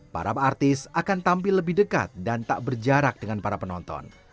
para artis akan tampil lebih dekat dan tak berjarak dengan para penonton